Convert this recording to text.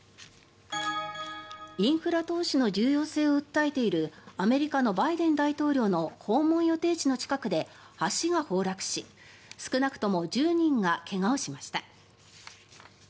インフラ投資の重要性を訴えているアメリカのバイデン大統領の訪問予定地の近くで橋が崩落し、少なくとも１０人が怪我をしました。